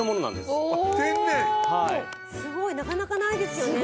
すごい！なかなかないですよね。